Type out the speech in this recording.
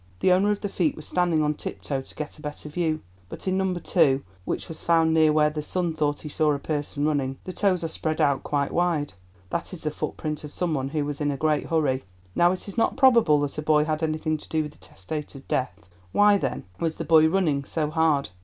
The owner of the feet was standing on tip toe to get a better view. But in No. 2, which was found near where the son thought he saw a person running, the toes are spread out quite wide. That is the footprint of some one who was in a great hurry. Now it is not probable that a boy had anything to do with the testator's death. Why, then, was the boy running so hard?